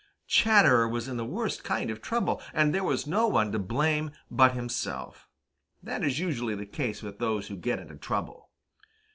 Chatterer was in the worst kind of trouble, and there was no one to blame but himself. That is usually the case with those who get into trouble.